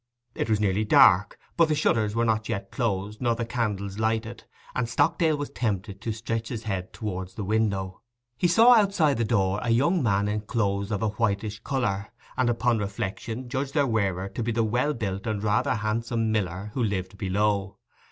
It was nearly dark, but the shutters were not yet closed, nor the candles lighted; and Stockdale was tempted to stretch his head towards the window. He saw outside the door a young man in clothes of a whitish colour, and upon reflection judged their wearer to be the well built and rather handsome miller who lived below.